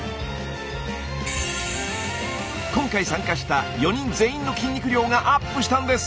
今回参加した４人全員の筋肉量がアップしたんです。